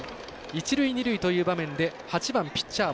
一塁二塁という場面で８番ピッチャー